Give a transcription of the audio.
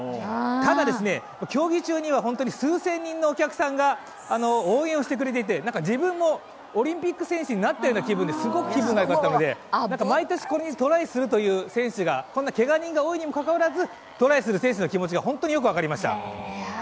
ただ、競技中には本当に数千人のお客さんが応援をしてくれていて、自分もオリンピック選手になったような感じですごく気分がよかったので毎年これにトライするという選手が、こんなけが人が多いにもかかわらずトライする選手たちの気持ちが分かりました。